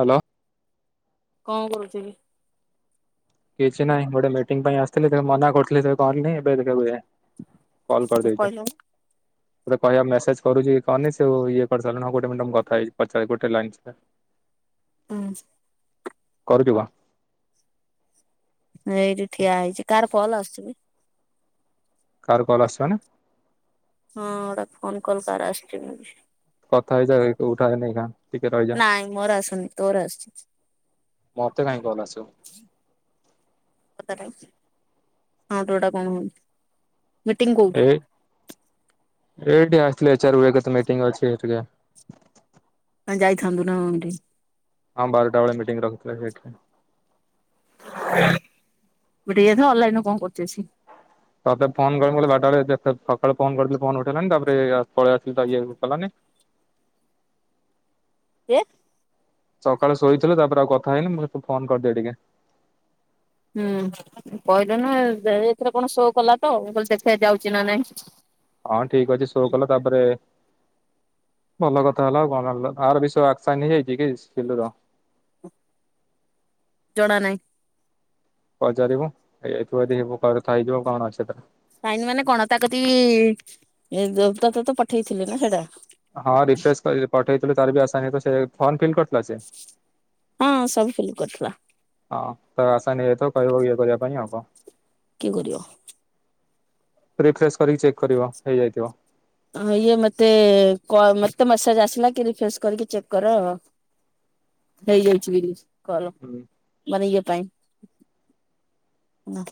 Hello. କଁ କରୁଚ କି? କିଛି ନାହିଁ ଗୋଟେ ମିଟିଂ ପାଇଁ ଆସଥିଲି ହେତେଳେ ମନା କରୁଥିଲି ହେତୋଳେ କରନେଇ ଏବେ ଦେଖିଲା ଅକୁ ଏୟା। କଲ୍ କରି କି ଦେଇଚ। [inaudible] ଗୋଟେ କହିଆ ମ୍ୟାସେଜ୍ କରୁଚି କରନି ସେ ଓ ଇଏ କରିସାଇଲୁଣି ହଁ ଗୋଟେ ମିଣ୍ଟି ରହ ମୁଁ କଥା ହେଇ ପଚାରେ ଗୋଟେ ଲାଇନ୍ ସେଟା। ଉଁ କରୁଚୁ କଁ? ଏଇଠି ଠିଆ ହେଇଚି କାର କଲ୍ ଆସୁଚି ବେ? କାର୍ କଲ୍ ଆସୁଚି ମାନେ? ହଁ ଓଟା ଫୋନ୍ କଲ୍ କାର ଆସଚି ମୁଁ ବି କଥା ହେଇଯାଅ ଏ ଉଠାଅନି ଏଇଖାଁ। ନାଇଁ ମୋର ଆସୁନି ତୋର ମତେ କାହିଁ କଲ୍ ଆସିବ। ଆସୁଚି। କତାଟାଉ ହଁ ତୁଟା କଣ ହୋଉନି। ଏଇ ଏଇଠି ଆସଥିଲେ ଏଚ୍ ଆର୍ ଉ ଏ କେତେ ମିଟିଂ ଅଛି ଏ ଟିକେ। ଆଁ ଯାଇଥାନ୍ତୁ ନାଁ ଅଁ ହେଟି? ହଁ ବାରଟା ବେଳେ ମିଟିଂ ରଖିଥିଲା ସେଇଠି। ମିଟିଂ ଯାଇଥିଲ ଅନଲାଇନ୍ ର କଁ କରୁଚି ଏସି? ତତେ ଫୋନ୍ କଲେ ମୁଁ କଲି ବାରଟା ଅଳେ ଯେ ସେ ସକାଳେ ଫୋନ୍ କରିଥିଲି ଫୋନ୍ ଉଠେଇଲାନି ତାପରେ ଆ ପଳେଇ ଆସଥିଲି ତା ଇଏକୁ କଲାନି। ଇଏ ସକାଳେ ଶୋଇଥିଲେ ତାପରେ ଆଉ କଥା ହେଇନି ମୁଁ ହେତୁ ଫୋନ୍ କରିଦିଏ ଟିକେ। ହୁଁ କହିଲ ନାଁ ଦା ଏଥିରେ କଣ ସୋ କଲା ତ ମୁଁ କହିଲି ଦେଖିଆ ଯାଉଚି ନା ନାଇଁ। ହଁ ଠିକ୍ ଅଛି ସୋ କଲେ ତାପରେ ଭଲ କଥା ହେଲା ଆଉ କଁ ରାନଲ ଆର ବିଷୟ ଆକ୍ସାଇନ୍ ହେଇଯାଇଚି କି ସିଲୁର? ଜଣା ନାଇଁ। ପଚାରିବୁ ହେଇଆଇଥିବ ଅଦି ହେବୁ କ କଥା ହେଇଯିବ କଣ ଅଛି ସେଥିରେ। ସାଇନ୍ ମାନେ କଣ ତା କତି ଏ ଦୋ ତତେ ତ ପଠେଇଥିଲେ ନାଁ ହେଟା? ହଁ ରିଫ୍ରେସ୍ କରି ପଠେଇଥିଲୁ ତାର ବି ଆସାଇନ୍ ହେଇଥିବ ସେ ଫର୍ମ ଫିଲ୍ କରିଥିଲା ସେ? ହଁ ସବୁ ଫିଲ୍ କରଥିଲା। ହଁ ତ ଆସାଇନ୍ ହେଇଯାଇଥିବ କହିବ ଇଏ କରିବା ପାଇଁ ଆଉ କଣ। କିଏ କରିବ? ରିଫ୍ରେଶ କରିକି ଚେକ୍ କରିବ ହେଇଯାଇଥିବ। ହଁ ଇଏ ମତେ କ ମତେ ତ ମସେଜ ଆସିଲା କି ରିଫ୍ରେସ କରିକି ଚେକ୍ କର। ହେଇଯାଇଛି ବୋଲି କଲ। ହୁଁ। ମୋର ଇଏ ପାଇଁ ନା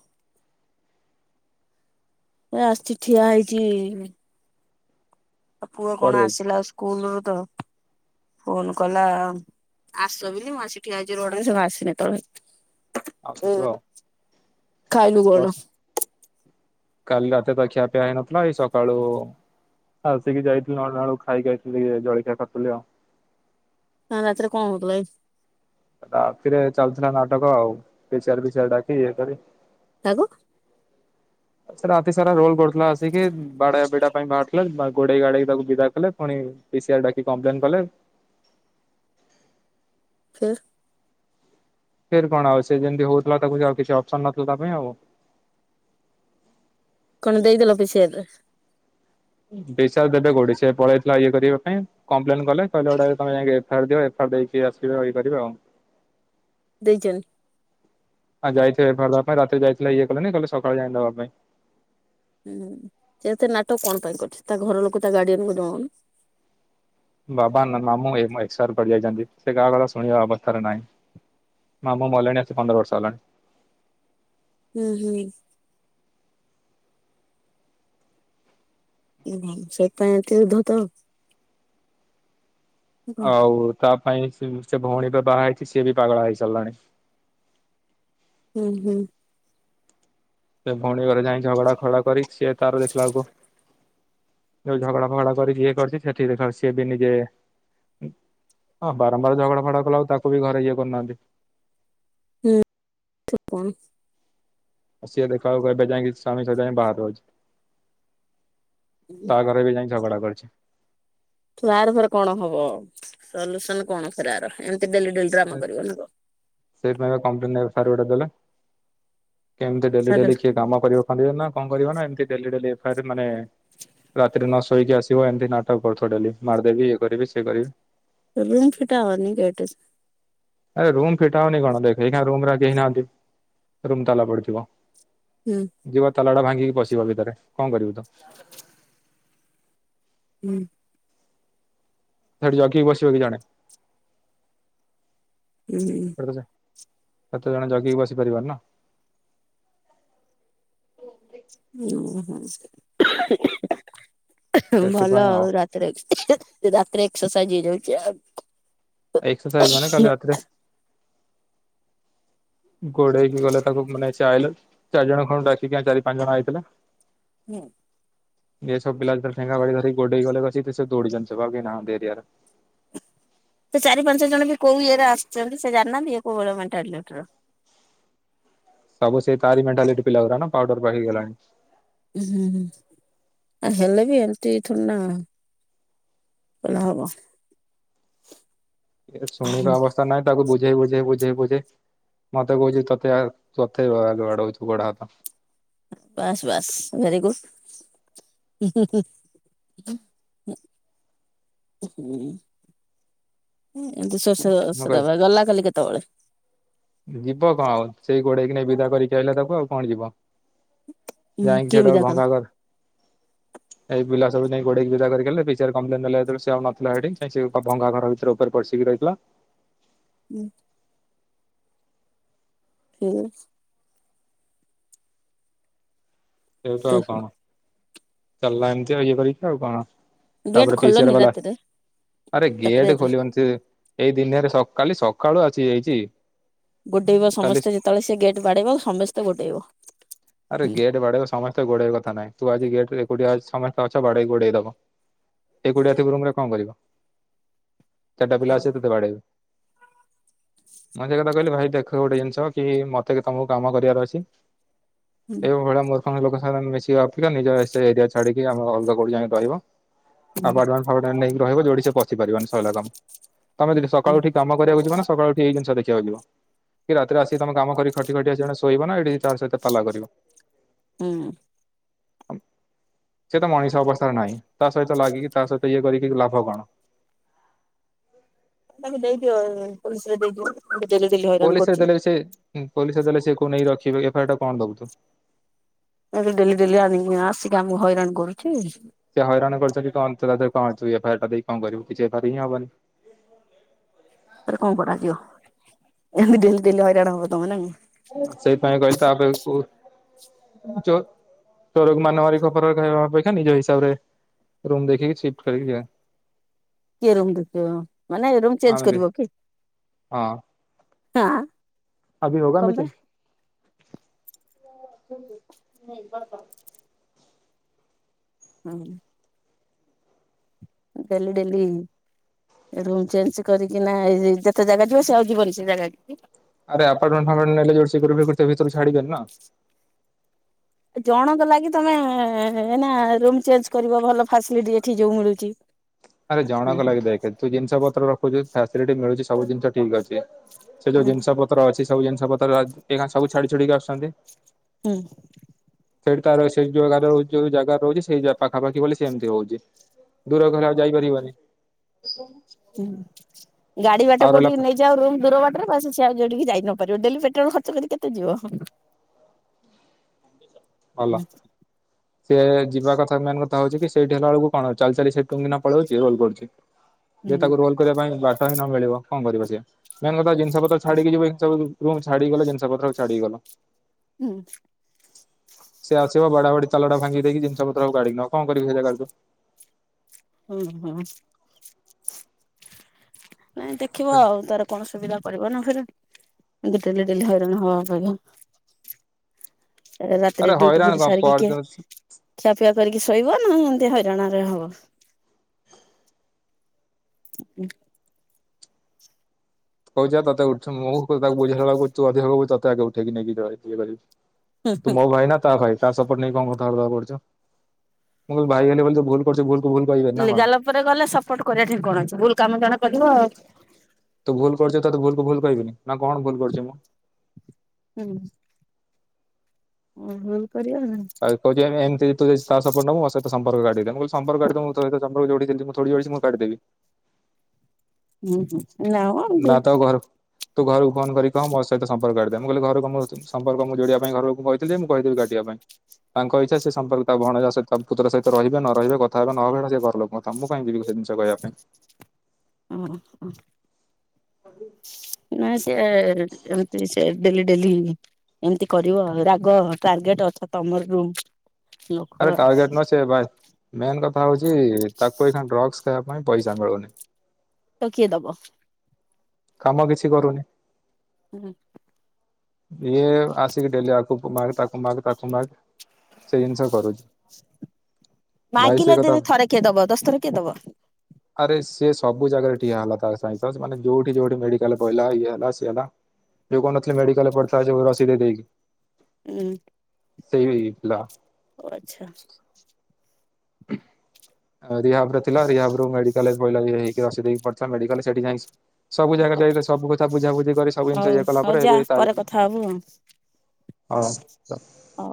ଏ ଆସିଚି ଠିଆ ହେଇଚି ଆଉ ପୁଅ କୁଆଡେ କଣ ଯାଇଛି ଆସିଲା ସ୍କୁଲରୁ ତ। ଫୋନ କଲା ଆସ ବୋଲି ମୁଁ ଆସିକି ଠିଆ ହେଇଚି ରୋଡରେ ସେ କଁ ଆସିନି ଏତୋଳ ହେ ଆସୁଥିବ ଆଉ। ଖାଇଲୁ କଣ? ବର୍ଷା କାଲି ରାତିରେ ପା ଖିଆପିଆ ହେଇନଥିଲା ଏଇ ସକାଳୁ ଆସିକି ଯାଇଥିଲି ନଅଟା ବେଳକୁ ଖାଇକି ଆସଥିଲି ଏ ଜଳଖିଆ କରଥୁଲି ଆଉ। ଆଁ ରାତିରେ କଣ ହୋଉଥିଲା କି? ରାତିରେ ଚାଲୁଥୁଲା ନାଟକ ଆଉ ପିଚାରି ପିଚାରି ଡାକି ଇଏ କରି। କାହାକୁ? ସେ ରାତିସାରା ରୋଲ କରୁଥୁଲା ଆସିକି ବାଡଆ ପିଟା ପାଇଁ ବାହାରଥିଲେ ବା ଘୋଡେଇ ଘାଡେଇକି ତାକୁ ବିଦା କଲେ ଫୁଣି ପି ସି ଆଇ ଡାକି କପ୍ଲେନ୍ କଲେ। ଫେର? ଫେରେ କଣ ଆଉ ସେ ଯେମିତି ହୋଉଥିଲା ତାକୁ ଆଉ କିଛି ଅପସନ ନଥିଲା ତା ପାଇଁ ଆଉ। ପୁଣି ଦେଇଦେଲ ପି ସି ଆର୍ ରେ? ବିସ ଆଉ ଦେବେ କୋଉଠି ସେ ପଳେଇଥିଲା ଇଏ କରିବା ପାଇଁ। କମ୍ପ୍ଲେନ କଲେ କହିଲେ ଗୋଟେ ତମେ ଯାଇକି ଏଫେଆର୍ ଦିଅ ଏଫେଆର୍ ଦେଇକି ଆସିବ ଇଏ କରିବ ଆଉ। ଦୁଇଜନ୍ ଆଉ ଯାଇଥିବେ ଏଫେଆର ଦବା ପାଇଁ ରାତି ଯାଇଥିଲେ ଇଏ କଲେନି କହିଲ ସକାଳେ ଯାଇଁ ଦବାପାଇଁ। ଉଁ ସେ ଏତେ ନାଟକ କଣ ପାଇଁ କରୁଛି ତା ଘରଲୋକ ତା ଗାର୍ଡିଆନକୁ ଜଣଉନ? ବାବା ନା ମାମୁଁ ଏମା ଏକ୍ସପାଡ କରିଯାଇଚନ୍ତି ସେ କାହା କଥା ଶୁଣିବା ଅବସ୍ଥାରେ ନାହିଁ। ମାମୁଁ ମଲେଣି ଆସି ପନ୍ଦର ବର୍ଷ ହେଲାଣି। ଉଁହୁଁ। ଏମା ସେଥିପାଇ ଏତେ ଉଦ୍ଧତ। ହୁଁ ଆଉ ତା ପାଇଁ ସେ ସେ ଭୋଉଣୀ ଏବେ ବାହାହେଇଚି ସିଏ ବି ପାଗଳା ହେଇସାରିଲାଣି। ଉଁହୁଁ। ସେ ଭୋଉଣୀ ଘରେ ଯାଇଁ ଝଗଡା ଫଗଡା କରି ସିଏ ତାର ଦେଖିଲା ବେଳକୁ ଯୋଉ ଝଗଡା ଫଗଡା କରିକି ଇଏ କରିଚି ସେଠି ଦେଖଲାକୂ ସିଏ ବି ନିଜେ ହଁ ବାରମ୍ବାର ଝଗଡା ଫଗଡା କଲା ଆଉ ତାକୁ ବି ଘରେ ଇଏ କରୁନାହାନ୍ତି। ହୁଁ ତ ପଣ ଆଉ ସିଏ ଦେଖିଲାବେଳକୁ ଏବେ ଯାଇଁକି ସ୍ୱାମୀ ସହିତ ଯାଇଁ ବାହାର ରହୁଚି। ତା ଘରେ ବି ଯାଇଁ ଝଗଡା କରିଛି। ଛୁଆର ଫେରେ କଣ ହବ ସଲ୍ୟୁସନ କଣ ଫେରେ ଆର ଏମିତି ଡେଲି ଡେଲି ଡ୍ରାମା କରିବ ନା କଣ? ସେଇଥିପାଇଁ ପା କମ୍ପଲେନ ତାର ଗୋଟେ ଦେଲେ କେମତି ଡେଲି କଣ ଡେଲି କିଏ କାମ କରିବ କରିବନା କଣ କରିବନା ଏମତି ଡେଲିଡେଲି ଏଫେଆର ମାନେ ରାତିରେ ନ ଶୋଇକି ଆସିବ ଏମିତି ନାଟକ କରୁଥୁବ ଡେଲି ମାରଦେବି ଇଏ କରିବି ସିଏ କରିବି। ରୁମ ଫିଟାଅନିି ଗେଟେ। ଆରେ ରୁମ ଫିଟା ହୋଉନି କଣ ଦେଖେ ଏଇନା ରୁମର ଆଉ କେହି ନାହାନ୍ତି ରୁମ ତାଲା ପଡିଥିବ। ହୁଁ। ଯିବ ତାଲାଟା ଭାଙ୍ଗିକି ପଶିବ ଭିତରେ କଣ କରିବୁ ତ। ହୁଁ। ସେଠି ଯଗିକି ବସିବ କି ଜଣେ। ଉହୁଁ। ଏତେ ଜଣ ଜଗିକି ବସି ପାରିବରି ନା? ହୁଁ ହୁଁ [unintelligible] ଭଲ ଆଉ ରାତି। [unintelligible] ରାତିରେ ଏକ୍ସରସାଇଜ୍ ହେଇଯିବ। ଏକ୍ସସାଇଜ୍ ମାନେ କାଲି ରାତିରେ ଗୋଡ଼େଇକି ଗଲେ ତାକୁ ମାନେ ସିଏ ଆଇଲେ ଚାରି ଜଣ ଖଣ୍ଡ ଡାକିକି ଚାରି ପାଞ୍ଚ ଜଣ ଆଇଥିଲେ। ହୁଁ [unintelligible] ଯେତେବେଳେ ଠେଙ୍ଗା ବାଡ଼ି ଧରିକି ଗୋଡ଼େଇ ଗଲେ କସି ସେ ଦୌଡିଛନ୍ତି ସବୁ ଆଉ କେହି ନାହାଁନ୍ତି ଏରିଆରେ ସେ ଚାରି ପାଞ୍ଚ ଜଣ ବି କୋଉ ଇଏରେ ଆସିଛନ୍ତି ସେ ଜାଣିନାହାଁନ୍ତି ଇଏ କୋଉଭଳିଆ ମେଣ୍ଟାଲିଟି ର। ସବୁ ସେଇ ତାରି ମଣ୍ଟାଲିଟି ପିଲା ଗା ପାଉଡ଼ର ପାଖେଇଗଲାଣି ହୁଁ ହୁଁ ଆ ହେଲେ ବି ଏମିତି ଥୋଡ଼ି ନା କେହବ ଏ ଶୁଣିବା ଅବସ୍ଥା ନାହାଁନ୍ତି। ତାକୁ ବୁଝେଇ ବୁଝେଇ ବୁଝେଇ ବୁଝେଇ ମତେ କହୁଛି ତତେ ତୋତେ ଗଡ଼ଉଛୁ ଗୋଡ଼ ହାତ ବାସ୍ ବାସ୍ ଭେରି ଗୁଡ଼୍। ହ ହୁଁ ହ [unintelligible] ହଁ ଏମତି ମୁଁ ଶେଷଷରା କହିଲି ଗଲା କାଲି କେତେବେଳେ? ଯିବ କଣ ଆଉ ସେଇ ଗୋଡ଼େଇକି ନେଇ ବିଦା କରିକି ଆଇିଲେ ତାକୁ ଆଉ କଣ ଯିବ। ଯାଇଁକି କିଏ ସେଟା ବିଦା କଲା? ଭଙ୍ଗା ଘରେ ଏଇ ପିଲ ସବୁା ଯାଇକି ଗୋଡ଼େଇକି ବିଦା କରିକି ଆଇଲେ ବିଚାର କପ୍ଲେନ ନଥିଲା ସେ ଆଉ ନଥିଲା ଭଙ୍ଗା ଘର ଭିତରେ ତରେ ପର୍ସିକି ରହିଥିଲା। ଉଁ ଠିକ୍ ଅଛି ସେ ତୁ ଆଉ କଣ ଚାଲିଲା ଏମିତି ଆଉ ଇଏ କରିକି ଆଉ କଣ? ଗେଟ୍ ତାପରେ ପି ସି ଆର୍ ଖୋଲନି ବାଲା ରାତିରେ ଆରେ ରାତିରେ ଗେଟ ଖୋଲିିବନି ଏଇ ଦିନିଆରେ ସ କାଲି ସକାଳୁ ଆସି ଯାଇଛି। ଗୋଡେଇବ କାଲି ସମସ୍ତେ ଯେତେବେଳେ ସେ ଗେଟ୍ ବାଡ଼େଇିବ ସମସ୍ତେ ଗୋଡେଇବ। ଆରେ ଗେଟ୍ ବାଡ଼େଇ ସମସ୍ତେ ଗୋଡ଼େଇବା କଥା ନାହିଁ ତୁ ଆଜି ଗେଟ୍ ଏକୁଟିଆ ସମସ୍ତେ ଅଛ ବାଡ଼ଇ ଗୋଡ଼େଇ ଦବ। ହ ଏକୁଟିଆ ଥିବ ରୁମ୍ ରେ କଣ କରିବ ଚାରିଟା ପିଲା ଓହୋ। ଅସି ତତେ ବାଡେଇବେ ମୁଁ ସୋ କଥା କହିଲି ଭାଇ ଦେଖ ଗୋଟେ ଜିନିଷ କି ମତେ କି ତମକୁ କାମ କରିବାର ଅଛି। ହୁଁ ଏଇ ଭଳିଆ ମୁର୍ଖାମୀ ଲୋକ ସାଙ୍ଗରେ ଅଧିଖା ନିଜ ଏରିଆ ଛାଡ଼ିକି ଆମେ ଅଲଗା କୋଉଠି ଯାଇକି ରହିବ। ହୁଁ ଆପର୍ଟମେଣ୍ଟ ଫାପାର୍ଟମେଣ୍ଟ ନେଇକି ରହିବ ଯୋଉଠି ସେ ପସି ପାରିବନି ସଇଲା କାମ ତମେ ଯଦି ହୁଁ ସକାଳୁ ଠିକ କାମ କରିବାକୁ ଯିବ ନା ସକାଳ ଉଠି ଏଇ ଜିନି ଦେଖିବାକୁ ଯିଵ କି ରାତିରେ ଆସିକି ତମେ କାମ କରି ଖଟି ଖଟି ଆସି ଜଣେ ଶୋଇବ ନା ଏଇଠି ତାରି ସହିତ ପାଲା କରିବ। ହୁଁ। ସେ ତ ମଣିଷ ଅବସ୍ଥାରେ ନାହିଁ ତା ସହିତ ଲାଗିକି ତା ସହିତ ଇଏ କରିକି ଲାଭ କଣ? ତାକୁ ଦେଇଦିଅ ପୋଲିସରେ ଦେଇଦିଅ। ଗୋଟେ ଡେଲିଡେଲି ହବ ପୋଲିସ୍ରେ ଦେଲେ ବି ସେ ପୋଲିସ୍ରେ ଦେଲେ ସେ କଣ ନେଇ ରଖିବେ ଏଫଆଇ ଆର ଟା କଣ ଦବୁ ତୁ ଏ ଡେଲି ଡେଲି ଆ-ଆସିକି ଆମକୁ ହଇରାଣ କରୁଛି। ସେ ହଇରାଣ କରିଛନ୍ତି କଣୁ ତା କଣୁ ଏଫ୍ ଆଇ ଆର୍ ଟା ଦେଇ କଣ କରିବୁ କିଛି ଏଫ୍ ଆଇ ଆର୍ ହିଁ ହବନି। ତାରେ କଣ କରାଯିବ ଏମିତି ଡେଲି ଡେଲି ହଇରାଣ ହବ ତମେ ନା କି ସେଇଥିପାଇଁ କହିଲି ତାପା କୁ ଯଉ ତୋର ମାନ ମାର ଖପର କହିବା ଅପେକ୍ଷା ନିଜ ହିସାବରେ ରୁମ୍ ଦେଖିକି ସିଫ୍ଟ କରିକି ଯିବା। କିଏ ରୁମ୍ ଦେଖିବ ମାନେ ଏ ରୁମ୍ ଚେଞ୍ଜ୍ ଯିବା। କରିବ କି। ହଁ। ଆଭି ହୋଗା ମିତ୍ର ହଁ। ଆ ଡେଲି ଡେଲି ଏ ରୁମ ଚେଞ୍ଜ କରିକି ନା ଯେତେ ଜାଗା ଯିବ ସେ ଆଉ ଯିବନି ସେ ଜାଗା କି ଆରେ ଆପାର୍ଟେଣ୍ଟ ଫାପାର୍ଟମେଣ୍ଟରେ ରୋଷେଇ କରିବାକୁ ସେ ଭିତରୁ ଛାଡୁଚନ୍ତି ନା? ଜଣଙ୍କ ଲାଗି ତମେନା ରୁମ ଚେଞ୍ଜ କରିବ ଭଲ ଫାସିଲିଟି ଏଠି ଯୋଉ ମିଳୁଚି। ଆରେ ଜଣକ ଲାଗି ଦେଖ ତୁ ଜିନିଷ ପତ୍ର ରଖୁଚୁ, ଫାସିଲିଟି ମିଳୁଛି ସବୁ ଜିନିଷ ଠିକ ଅଛି। ସେ ଯୋଉ ଜିନିଷ ପତ୍ର ଅଛି, ସବୁ ଜିନିଷ ପତ୍ର ଏଇନା ସବୁ ଛାଡି ଛୁଡିକି ଆସୁଚନ୍ତି। ହୁଁ। ସେଠି ତାର ସେଇ ଯୋଉ ଜାଗା ରହୁଚି ସେଇ ପାଖାପାଖି ବୋଲି ସେମିତି ହଉଚି। ଦୂର ଘରେ ଆଉ ଯାଇପାରିବନି। ହୁଁ ଗାଡି ବାଟ ଆଉ ରହିଲା କୋଉଠିକି ନେଇଯାଉ ରୁମ୍ ଦୂର ବାଟରେ ବସି ସେ ଆଉ ଯଉଠିକି ଯାଇ ନ ପାରିବ। ଡେଲି ପେଟ୍ରୋଲ ଖର୍ଚ୍ଚ କେତେ ଯିବ? ଭଲ। ହୁଁ ସେ ଯିବା କଥା ମେନ୍‌କଥା ହଉଚି କି ସେଇଠି ହେଲା ବେଳକୁ କଣ ଚାଲି ଚାଲି ସେଇଠି ଟୁଙ୍ଗ କିନା ପଳୋଉଛି ରୋଲ କରୁଚି। [inaudible] ଯେ ତାକୁ ରୋଲ୍‌କରିବା ପାଇଁ ବାଟ ହିଁ ନ ମିଳିବ କଁ କରିବ ସେ ମେନ୍ କଥା ଜିନିଷ ପତ୍ର ଛାଡିକି ଯିବି ଏଇ ସବୁ ରୁମ୍ ଛାଡିକି ଗଲ ଜିନିଷ ପତ୍ର ଛାଡିକି ଗଲ। ଉଁ। ସେ ଆସିବ ବାଡା ବାଡି ତାଲାଟାକୁ ଭାଙ୍ଗି ଦେଇକି ଜିନଷ ପତ୍ର ସବୁ କାଢିକି ନବ କଅଁ କରିବୁ ସେ ଜାଗାରେ ତୁ? ଅ ହୁଁ। ନାଇଁ ଦେଖିବା ଆଉ ତାର କଣ ସୁବିଧା କରିବ ନା ଫେରେ ଏମିତି ଡେଲି ଡେଲି ହଇରାଣ ହବା ଅପେକ୍ଷା ଆରେ ରାତିରେ ଡ୍ୟୁଟି ହଇରାଣ ଫିଉଟି କଣ ସାରିକି କିଏ ପରଦିନ ଖିଆପିଆ କରିକି ଶୋଇବ ନା ଏମ୍‌ତି ହଇରାଣ ରେ ହବ। ଉଁ। କହୁଛି ପା ତତେ ଉଠେ ମୁଁ କୁ ତାକୁ ବୁଝେଇଲା ବେଳକୁ ତୁ ଅଧିକା ଗପୁଚୁ ତତେ ଆଗେ ଉଠେଇକି ନେଇକି ଯ ଇଏ କରିବି। ତୁ ମୋ ଭାଈ ନା ତା ଭାଈ ତା ସପର୍ଟ ନେଇକି କଣ କଥା ବାର୍ତ୍ତା କରୁଚୁ? ମୁଁ କଇଲି ଭାଇ ହେଲି ବୋଲି ତୁ ଭୁଲ୍ ତୋର ସେଇ ଭୁଲ୍‌କୁ ଭୁଲ୍ କହିବେନି ନା କଣ? ଲିଗାଲ ଉପରେ ଗଲେ ସପୋର୍ଟ କରିବା ଠେଇଁ କଣ ଅଛି ଭୁଲ୍‌କାମ ଜଣେ କରିବ ଆଉ ତୁ ଭୁଲ୍‌ କରିଚୁ ତତେ ଭୁଲ୍ କୁ ଭୁଲ୍‌ କହିବେନି? ନା କଣ ଭୁଲ୍‌ କରିଛି ମୁଁ? ହୁଁ। ତମେ ଭୁଲ୍‌ କରିବ ଆଉ। ଆଉ କହୁଚି ଏମ୍‌ଏମ୍ତି ତୁ ଯଦି ତା ସପୋର୍ଟ ନବୁ ମୋ ସହିତ ସମ୍ପର୍କ କାଟିଦେ ମୁଁ କହିଲି ସ ସମ୍ପର୍କ କାଟିଦିଅ ମୁଁ ତୋ ସହିତ ସମ୍ପର୍କ ଯୋଡ଼ିଥିଲି ମୁଁ ଥୋଡି ଯୋଡିଚି ମୁଁ କାଟିଦେବି? ଉଁ ହୁଁ। ନା ମ। ହଁ ନା ତୋ ଘରୁ ତୁ ଘରୁକୁ ଫୋନ କରିିକି କହ ମୋ ସହିତ ସମ୍ପର୍କ କାଟି ଦେବେ ମୁଁ କଇଲି ଘରେ କଅଁ ମୋ ସଇ ସମ୍ପର୍କ ମୁଁ ଯୋଡିବା ପାଇଁ ଘର ଲୋକଙ୍କୁ କଇ ତିଲ୍‌ ଯେ ମୁଁ କହିଦେବି କାଟିବା ପାଇଁ। ତାଙ୍କ ଇଚ୍ଛା ସେ ସମ୍ପର୍କ ତା ଭଣଜା ସହିତ ତା ପୁତୁରା ସହିତ ରହିବେ ନ ରହିବେ କଥା ହେବେ ନ ହେବେ ସେଟା ସେ ଘର ଲୋକଙ୍କ ତମ କୁ କାଇଁ ଯିବି ଗୋ ସେ ଜିନିଷ କହିବା ପାଇଁ? ଉଁ ହ। ସବୁ ନାଇଁ ସେ ଏମ୍‌ତି ସେ ଡେଲି ଡେଲି ଏମ୍‌ତି କରିବ ରାଗ ଟାର୍ଗେଟ ଅଛ ତମର ରୁମ୍‌ ଆରେ ଟାର୍ଗେଟ ନୁହଁ ସେ ପା ମେନ୍ କଥା ହଉଚି ତାକୁ ଏଇଖିଣା ଡ୍ରକ୍ସ ଖାଇବା ପାଇଁ ପଇସା ମିଳୁନି। ତ କିଏ ଦବ? କାମ କିଛି କରୁନି। ହୁଁ। ଇଏ ଆସିିକି ଡେଲି ଆ ଉପୁ ମାଗ ତାକୁ ମାଗ ତାକୁ ମାଗ ସେ ଜିନିଷ କରୁଚି। ମାଗିଲେ ଦିନ ଥରେ କିଏ ଦବ ଦଶ ଥର କିଏ ଦବ? ଆରେ ସିଏ ସବୁ ଜାଗାରେ ଠିଆ ହେଲା ତା ସହିତ ସେ ମାନେ ଯୋଉ ସେଇଠି ଗୋଟେ ମେଡିକାଲ ପଇଲା ଇଏ ହେଲା ସିଏ ହେଲା ଯୋଉ କହୁ ନଥିଲି ମେଡିକାଲ ରେ ପଡିଥିଲା ଯୋଉ ରସି ଦେଇଦେଇକି ଉଁ ସେଇ ଏଇ ପିଲା ଆଚ୍ଛା [inaudible] ରିହାଭ୍ ରେ ଥିଲା ରିହାଭ୍ ରୁ ମେଡିକାଲ ପାଇଲା ଇଏ ହେଇକି ରସି ଦେଇକି ପଡିଥିଲା ମେଡିକାଲ ସେଠି ଯାଇଁକି ସବୁ ଜାଗା ଯାଇ ତା ସବୁ କଥା ବୁଝାବୁଝି କରି ସବୁ ଜିନିଷ ହଉ ଇଏ କଲା ହଉ ପରେ ଯା ଏବେ ତାରି କଥା ହବୁ ଆଉ ହଁ ଅ